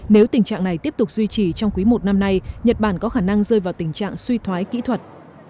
nếu tình trạng này tiếp tục duy trì trong quý một năm nay nhật bản có khả năng rơi vào tình trạng suy thoái kỹ thuật